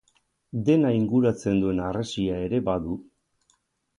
Dena inguratzen duen harresia ere badu.